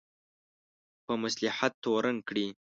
په مصلحت تورن کړي.